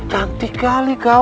cantik kali kau